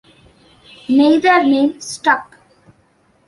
Neither name stuck.